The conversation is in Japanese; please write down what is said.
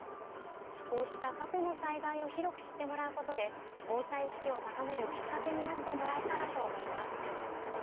こうした過去の災害を広く知ってもらうことで防災意識を高めるきっかけになってもらえたらと思います。